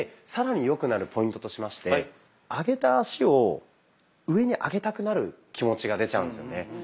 更によくなるポイントとしまして上げた足を上に上げたくなる気持ちが出ちゃうんですよね。